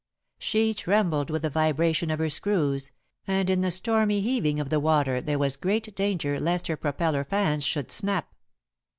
She trembled with the vibration of her screws, and in the stormy heaving of the water there was great danger lest her propeller fans should snap.